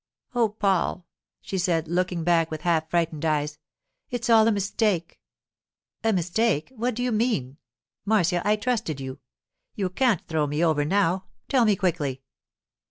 'Oh, Paul!' she said, looking back with half frightened eyes. 'It's all a mistake.' 'A mistake! What do you mean? Marcia, I trusted you. You can't throw me over now. Tell me quickly!